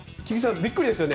びっくりですよね。